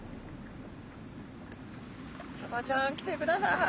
サバちゃん来てください。